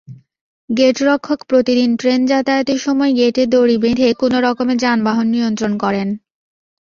গেটরক্ষক প্রতিদিন ট্রেন যাতায়াতের সময় গেটে দড়ি বেঁধে কোনোরকমে যানবাহন নিয়ন্ত্রণ করেন।